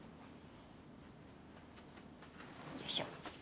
よいしょ。